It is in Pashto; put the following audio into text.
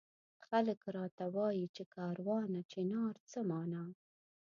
خلک راته وایي چي کاروانه چنار څه مانا؟